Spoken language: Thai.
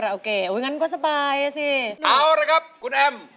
เอาเลยครับคุณแอมค์